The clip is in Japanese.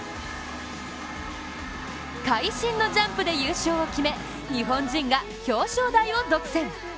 会心のジャンプで優勝を決め、日本人が表彰台を独占。